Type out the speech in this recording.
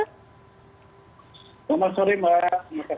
selamat sore mbak terima kasih